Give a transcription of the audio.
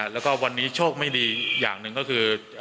แล้วก็วันนี้โชคไม่ดีอย่างหนึ่งก็คือ